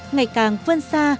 ngày càng vươn xa